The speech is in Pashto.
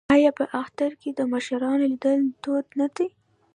آیا په اختر کې د مشرانو لیدل دود نه دی؟